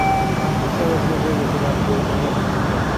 খুচরা ব্যবসায়ীদের বেশি লাভ দিয়ে এসব এয়ার ফ্রেশনার বিক্রি করা হয়।